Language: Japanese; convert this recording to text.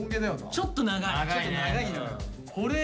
ちょっと長い。